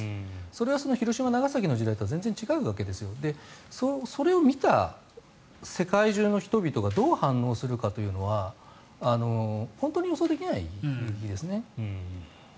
それは広島、長崎の時代とは全然違うわけですよ。それを見た世界中の人々がどう反応するかというのは本当に予想できないですね。